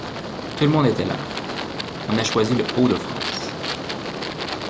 Tout le monde était là. On a choisi Le-Haut-de-France.